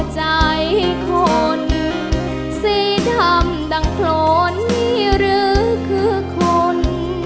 ใจคนสีดำดังโคลนหรือคือคน